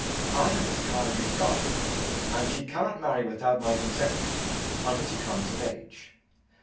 I am Miss Cardew's guardian, and she cannot marry without my consent until she comes of age.